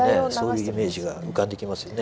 そういうイメージが浮かんできますよね。